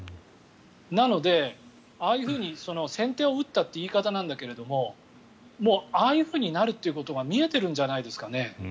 なので、ああいうふうに先手を打ったという言い方なんだけどもうああいうふうになるということが見えているんじゃないんですかね。